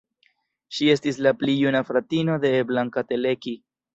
Ŝi estis la pli juna fratino de Blanka Teleki.